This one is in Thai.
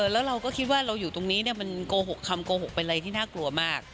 แล้วเราก็คิดว่าเราอยู่ตรงนี้มันโกหกคำโกหกเป็นอะไรที่น่ากลัวมาก